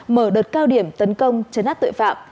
mở đợt cao điểm tấn công chấn áp tội phạm